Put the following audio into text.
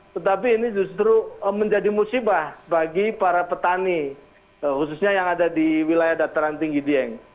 tetapi ini justru menjadi musibah bagi para petani khususnya yang ada di wilayah dataran tinggi dieng